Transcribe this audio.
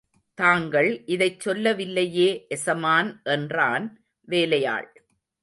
தாங்கள் இதைச் சொல்லவில்லையே எசமான் என்றான் வேலையாள்.